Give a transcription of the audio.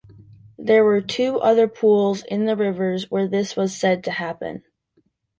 There were two other pools in the rivers where this was said to happen.